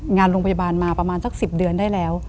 โรงพยาบาลมาประมาณสัก๑๐เดือนได้แล้ว